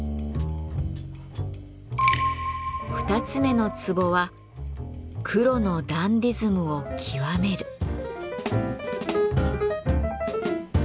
２つ目の壺は「黒のダンディズムを究める」。